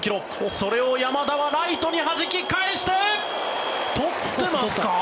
それを山田はライトにはじき返してとってますか？